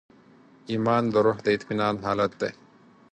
ایمان د روح د اطمینان حالت دی.